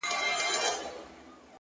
• دوه او درې ځله غوټه سو په څپو کي,